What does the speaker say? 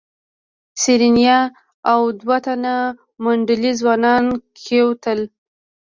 سېرېنا او دوه تنه منډلي ځوانان کېوتل.